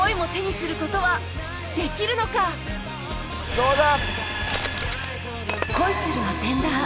どうだ？